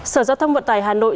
sở giao thông vận tải hà nội